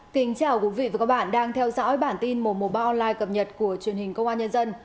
kính chào quý vị và các bạn đang theo dõi bản tin một trăm một mươi ba online cập nhật của truyền hình công an nhân dân